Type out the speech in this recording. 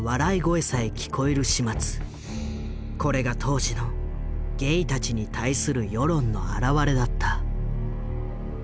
これが当時のゲイたちに対する世論の表れだった。